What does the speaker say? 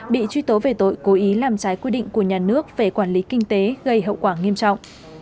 bị truy tố về tội cố ý làm trái quy định của nhà nước về quản lý kinh tế gây hậu quả nghiêm trọng